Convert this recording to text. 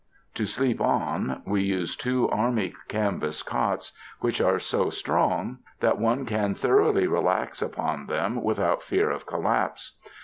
To sleep on, we use two army canvas cots which are so strong 54 u THE MOUNTAINS that one can thoroughly relax upon them without fear of collapse.